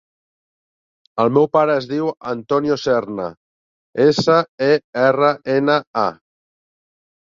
El meu pare es diu Antonio Serna: essa, e, erra, ena, a.